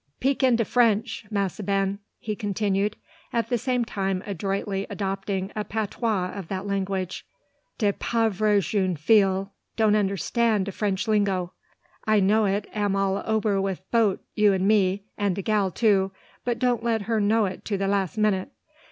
'Peak in de French, Massa Ben," he continued, at the same time adroitly adopting a patois of that language. "De pauvre jeune fille don't understan' de French lingo. I know it am all ober wi' boaf you an' me, and de gal, too but doan let her know it to de lass minute.